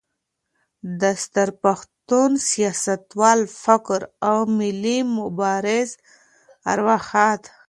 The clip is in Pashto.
د ستر پښتون، سیاستوال، مفکر او ملي مبارز ارواښاد